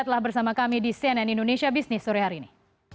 telah bersama kami di cnn indonesia business sore hari ini